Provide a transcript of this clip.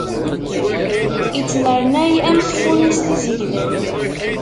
Ittnernay am tfunast izeglen.